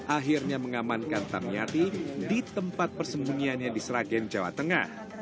akhirnya mengamankan tamiyati di tempat persembunyiannya di sragen jawa tengah